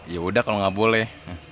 ya udah kalau nggak boleh